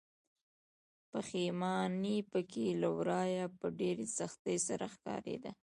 پښيماني پکې له ورايه په ډېرې سختۍ سره ښکاريده.